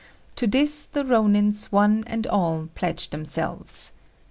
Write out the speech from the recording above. To this the Rônins one and all pledged themselves.